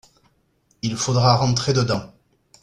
il faudra rentrer dedans.